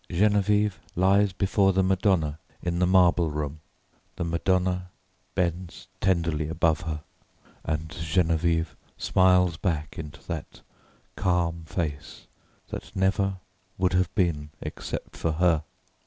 "Geneviève lies before the Madonna in the marble room. The Madonna bends tenderly above her, and Geneviève smiles back into that calm face that never would have been except for her."